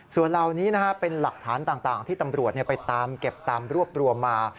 ส่วนเหล่านี้เป็นหลักฐานต่างที่ตำรวจไปตามเก็บตามรวบรวมมา